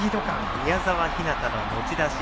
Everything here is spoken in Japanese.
宮澤ひなたの持ち出し。